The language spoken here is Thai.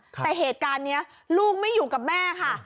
แต่เหตุการณ์นี้ลูกไม่อยู่กับแม่ค่ะ